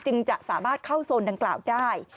จะสามารถเข้าโซนดังกล่าวได้